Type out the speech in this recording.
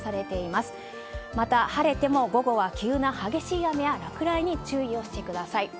また、晴れても午後は急な激しい雨や落雷に注意をしてください。